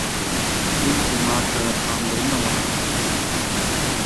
ولي دې ماته پاملرنه وه نه کړل